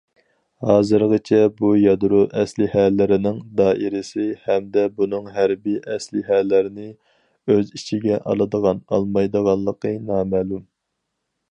ھازىرغىچە بۇ يادرو ئەسلىھەلىرىنىڭ دائىرىسى ھەمدە بۇنىڭ ھەربىي ئەسلىھەلەرنى ئۆز ئىچىگە ئالىدىغان ئالمايدىغانلىقى نامەلۇم.